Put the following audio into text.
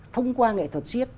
thông qua nghệ thuật siếc